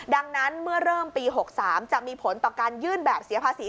ดังนั้นเมื่อเริ่มปี๖๓จะมีผลต่อการยื่นแบบเสียภาษี